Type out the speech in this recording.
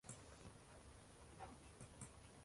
Yuragimda gurlagan oʼtdan